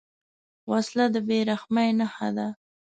وسله د بېرحمۍ نښه ده